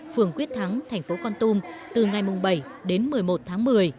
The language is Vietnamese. phường quyết thắng thành phố con tum từ ngày bảy đến một mươi một tháng một mươi